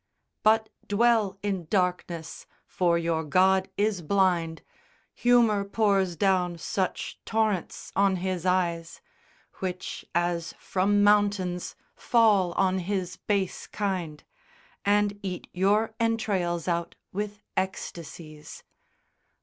u. But dwell in darkness, for your God is blind, Humour pours down such torrents on his eyes; Which, as from mountains, fall on his base kind, And eat your entrails out with ecstasies.